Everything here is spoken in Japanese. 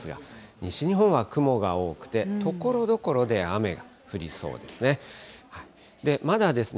西日本は雲が多くて、ところどころで雨が降りそうですね。